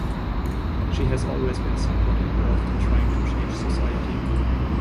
She has always been somewhat involved in trying to change society.